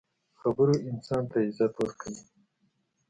خبرو انسان ته عزت ورکوي.